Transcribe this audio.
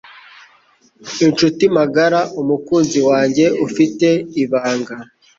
inshuti magara, umukunzi wanjye, ufite ibanga,